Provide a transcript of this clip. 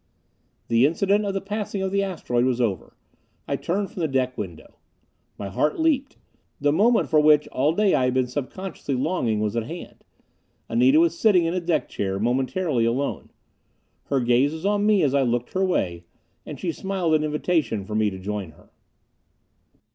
The incident of the passing of the asteroid was over. I turned from the deck window. My heart leaped. The moment for which all day I had been subconsciously longing was at hand. Anita was sitting in a deck chair, momentarily alone. Her gaze was on me as I looked her way, and she smiled an invitation for me to join her.